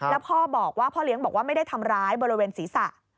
แล้วพ่อเลี้ยงบอกว่าไม่ได้ทำร้ายบริเวณศีรษะ